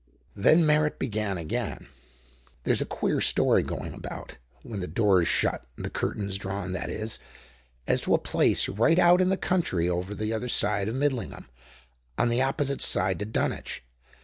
Then Merritt began again: "There's a queer story going about, when the door's shut and the curtain's drawn, that is, as to a place right out in the country over the other side of Midlingham; on the opposite side to Dunwich.